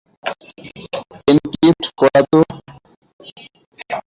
Encrypt করা তো।